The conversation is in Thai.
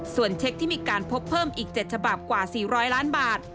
ส่วนเช็คที่มีการพบเพิ่มอีก๗ฉบับกว่า๔๐๐ล้านบาท